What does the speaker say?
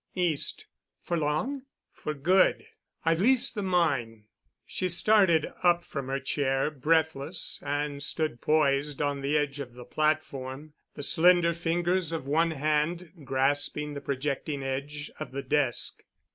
"East." "For long?" "For good. I've leased the mine." She started up from her chair, breathless, and stood poised on the edge of the platform, the slender fingers of one hand grasping the projecting edge of the desk.